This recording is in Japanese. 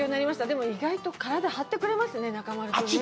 でも、意外と体を張ってくれますよね、中丸君ね。